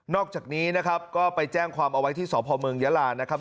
อกจากนี้นะครับก็ไปแจ้งความเอาไว้ที่สพเมืองยาลานะครับ